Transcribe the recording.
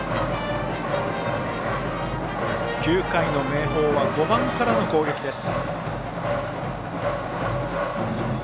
９回の明豊は５番からの攻撃です。